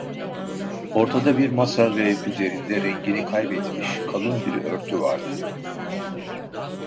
Ortada bir masa ve üzerinde rengini kaybetmiş kalın bir örtü vardı.